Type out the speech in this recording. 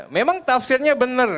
memang tafsirnya benar